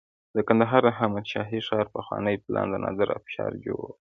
د کندهار د احمد شاهي ښار پخوانی پلان د نادر افشار جوړ کړی